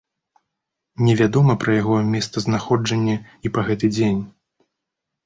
Невядома пра яго месцазнаходжанне і па гэты дзень.